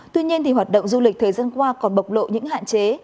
tuy nhiên hoạt động du lịch thời gian qua còn bộc lộ những hạn chế